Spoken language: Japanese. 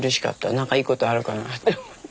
何かいいことあるかなと思って。